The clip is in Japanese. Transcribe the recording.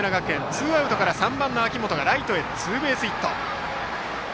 ツーアウトから３番の秋元がライトへ、ツーベースヒット。